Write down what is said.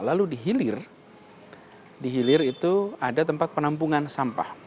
lalu di hilir di hilir itu ada tempat penampungan sampah